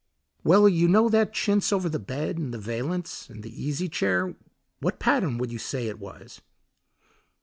"Well, you know that chintz over the bed, and the valance, and the easy chair; what pattern should you say it was?"